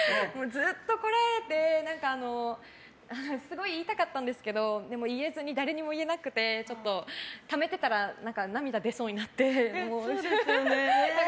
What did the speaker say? ずっとすごい言いたかったんですけどでも、誰にも言えなくてためてたら涙が出そうになって。